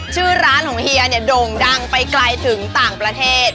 ชื่อร้านของเฮียเนี่ยโด่งดังไปไกลถึงต่างประเทศ